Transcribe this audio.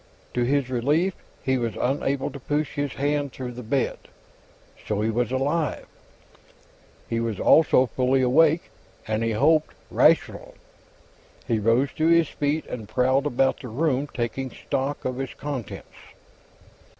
To his relief, he was unable to push his hand through the bed. So he was alive; he was also fully awake, and, he hoped, rational. He rose to his feet and prowled about the room, taking stock of its contents.